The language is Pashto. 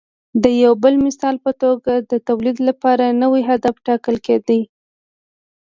د یو بل مثال په توګه د تولید لپاره نوی هدف ټاکل کېده